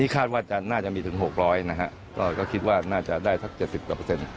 ก็คิดว่าน่าจะได้สัก๗๐เปอร์เซ็นต์